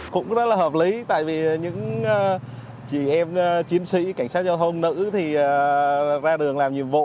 cũng rất là hợp lý tại vì những chị em chiến sĩ cảnh sát giao thông nữ thì ra đường làm nhiệm vụ